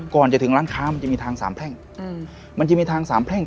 ก่อนจะถึงร้านค้ามันจะมีทางสามแพร่ง